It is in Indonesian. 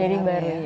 jadi baru ya